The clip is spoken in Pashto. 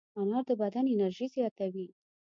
انار د بدن انرژي زیاتوي.